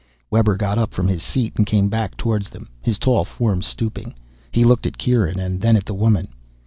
Webber got up from his seat and came back toward them, his tall form stooping. He looked at Kieran and then at the woman.